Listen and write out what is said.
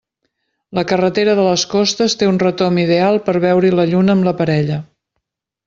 La carretera de les Costes té un retomb ideal per veure-hi la lluna amb la parella.